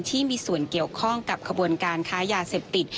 ที่มีส่วนเกี่ยวข้องกับขบวนการค้ายาเสพติด